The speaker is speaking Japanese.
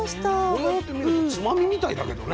こうやって見るとつまみみたいだけどね。